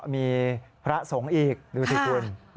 มีพระสงฆ์อีกดูสิคุณ